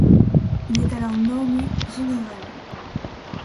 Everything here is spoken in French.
Il est alors nommé général.